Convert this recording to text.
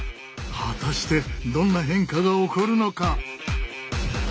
果たしてどんな変化が起こるのか？